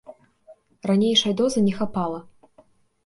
Ранейшай дозы не хапала.